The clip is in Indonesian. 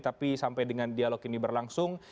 tapi sampai dengan dialog ini berlangsung